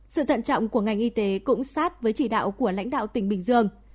sự thận trọng của ngành y tế cũng sát với chỉ đạo của lãnh đạo tỉnh bình dương